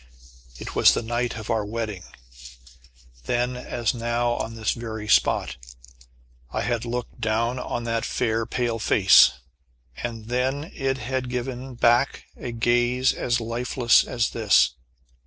It was the night of our wedding. Then, as now, on this very spot, I had looked down on that fair pale face, and then it had given me back a gaze as lifeless as this.